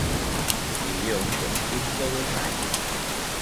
Siguió un conflicto de un año.